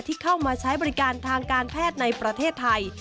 ที่เข้ามาใช้บริการทางการแพทย์ในประเทศไทย